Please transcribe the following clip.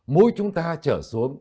mũi chúng ta trở xuống